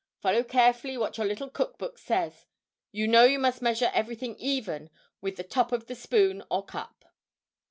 Follow carefully what your little Cook Book says. You know you must measure everything even with the top of the spoon, or cup."